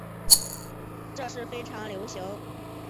这是非常流行。